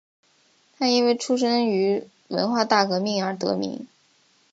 他因为出生于文化大革命而得名。